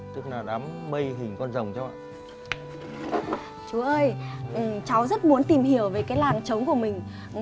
cháu rất muốn tìm hiểu về cái làng trống của mình